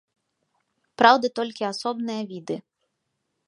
Праўда, толькі асобныя віды.